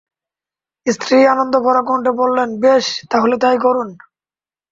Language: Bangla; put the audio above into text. স্ত্রী আনন্দভরা কণ্ঠে বললেন, বেশ, তাহলে তাই করুন।